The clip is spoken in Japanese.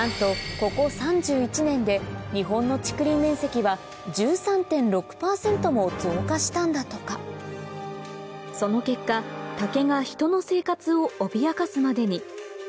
ここ３１年で日本の竹林面積は１３．６％も増加したんだとかその結果竹が人の生活を脅かすまでに・